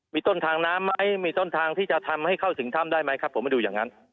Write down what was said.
มีต้นทางน้ำไหมมีต้นทางที่จะทำให้เข้าถึงถ้ำได้ไหมครับผมมาดูอย่างนั้น